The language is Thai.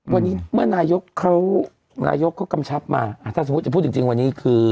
วันนี้เมื่อนายกเขานายกเขากำชับมาถ้าสมมุติจะพูดจริงวันนี้คือ